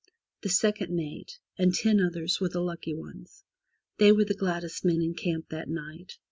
The second mate and ten others were the lucky ones. They were the gladdest men in camp that night.